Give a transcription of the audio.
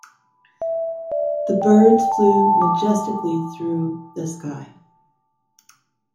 The birds flew majestically through the sky.